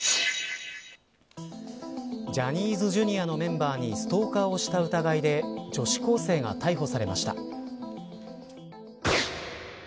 ジャニーズＪｒ．のメンバーにストーカーをした疑いで女子高生が逮捕されました。